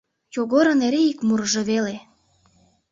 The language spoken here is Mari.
Йогорын эре ик мурыжо веле: